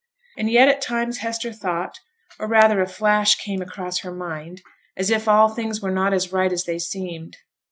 And yet at times Hester thought, or rather a flash came across her mind, as if all things were not as right as they seemed.